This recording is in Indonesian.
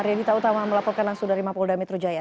ria dita utama melaporkan langsung dari mapolda metro jaya